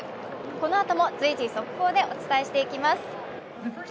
このあとも随時、速報でお伝えしていきます。